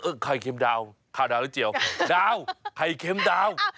เออไข่เค็มดาวข้าวดาวหรือเจียวดาวไข่เค็มดาว